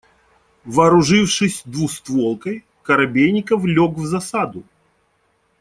Вооружившись двустволкой, Коробейников лёг в засаду.